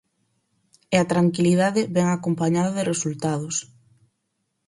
E a tranquilidade vén acompañada de resultados.